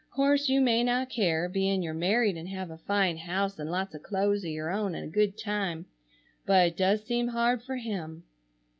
'Course you may not care, being you're married and have a fine house and lots of clo'es of your own and a good time, but it does seem hard for him.